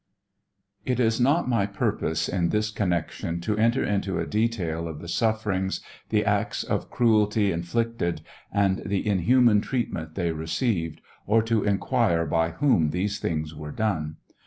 It is not my purpose in tins connection to enter into a detail of the sufferings* the acts of cruelty inflicted, and the inhuman treatment they received, or to inquire by whom these things were done.